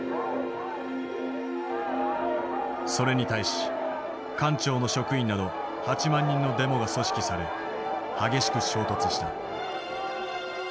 それに対し官庁の職員など８万人のデモが組織され激しく衝突した。